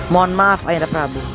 mohon maaf ayanda prabu